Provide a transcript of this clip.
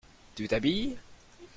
Tu t'habilles ?